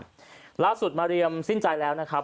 ล่าสุดมาเรียมสิ้นใจแล้วนะครับ